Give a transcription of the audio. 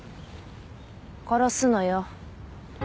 殺すのよ。